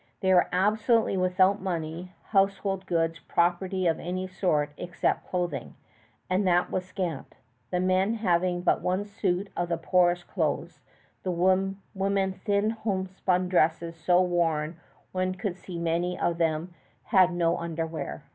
They were absolutely without money, household goods, property of any sort except clothing, and that was scant, the men having but one suit of the poorest clothes, the women thin homespun dresses so worn one could see many of them had no underwear.